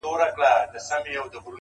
مستغني هم له پاچا هم له وزیر یم!!